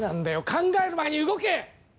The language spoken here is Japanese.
考える前に動け！